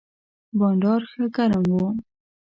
بانډار ښه ګرم و.